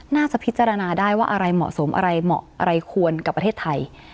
น่าจะพิจารณาได้ว่าอะไรเหมาะสมอะไรเหมาะอะไรควรกับประเทศไทย